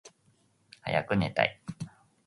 はやくねたい。